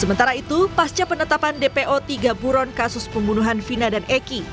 sementara itu pasca penetapan dpo tiga buron kasus pembunuhan vina dan eki